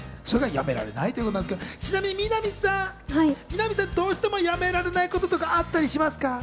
それがやめられないってことですが、ちなみに南さん、南さん、どうしてもやめられないこととかあったりしますか？